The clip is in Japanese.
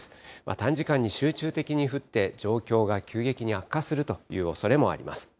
短時間に集中的に降って、状況が急激に悪化するおそれもあります。